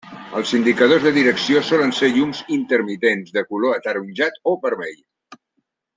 Els indicadors de direcció solen ser llums intermitents de color ataronjat o vermell.